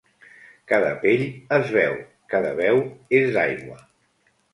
Cada pell és veu, cada veu és d’aigua.